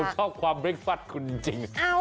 ผมชอบความเบรกฟอสคุณจริง